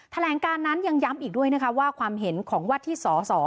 แถลงการนั้นยังย้ำอีกด้วยนะคะว่าความเห็นของวัดที่สส